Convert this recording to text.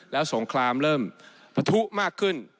แล้วสงครามเริ่มปะทุมากขึ้น